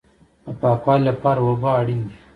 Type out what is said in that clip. د پاکوالي لپاره اوبه اړین دي